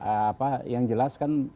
apa yang jelas kan